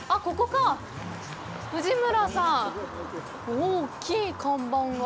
大きい看板が。